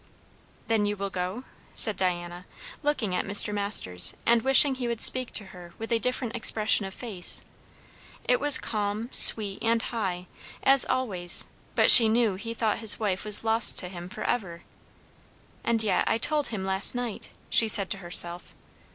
"Then you will go?" said Diana, looking at Mr. Masters, and wishing that he would speak to her with a different expression of face. It was calm, sweet, and high, as always; but she knew he thought his wife was lost to him for ever. "And yet, I told him, last night!" she said to herself.